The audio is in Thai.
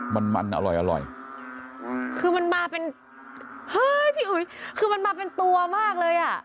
มันมันอร่อยคือมันมาเป็นพี่อุ๋ยคือมันมาเป็นตัวมากเลย